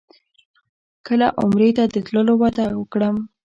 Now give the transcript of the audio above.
کله عمرې ته د تللو وعده وکړم.